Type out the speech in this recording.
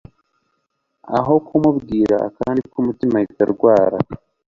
aho kumubwira akandi kumutima ahita arwara